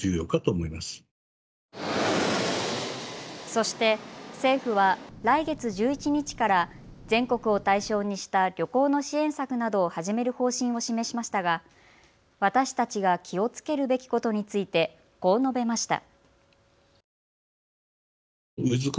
そして政府は来月１１日から全国を対象にした旅行の支援策などを始める方針を示しましたが私たちが気をつけるべきことについてこう述べました。